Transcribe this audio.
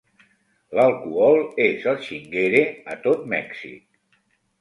L'alcohol és el "chínguere" a tot Mèxic.